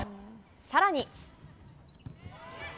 さらに。